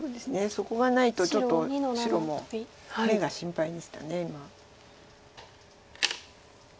そこがないとちょっと白も眼が心配でした今。